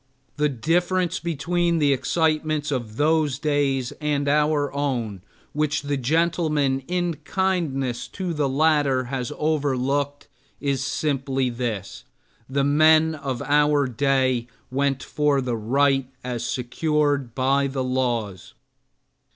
The difference between the excitements of those days and our own, which the gentleman in kindness to the latter has overlooked, is simply this: the men of our day went for the right as secured by the laws.